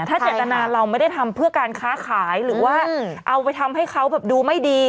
ถ้าเจตนาเราไม่ได้ทำเพื่อการค้าขายหรือว่าเอาไปทำให้เขาแบบดูไม่ดี